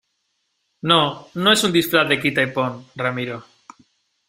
no, no es un disfraz de quita y pon , Ramiro.